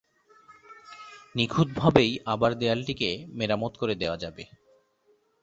নিখুঁতভাবেই আবার দেয়ালটিকে মেরামত করে দেয়া যাবে।